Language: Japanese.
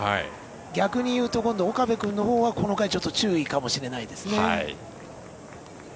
逆にいうと今度は岡部君のほうがこの回、注意かもしれませんね。